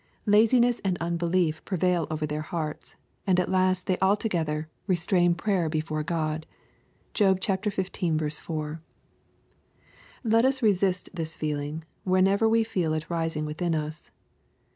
Laziness and unbelief prevail over their hearts, and at last they altogether '• restrain prayer before God." (Job xv. 4.) Let us resist this feeling, whenever we feel it rising within us.